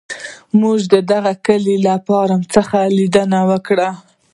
موږ په دغه کلي کې له فارم څخه لیدنه وکړه.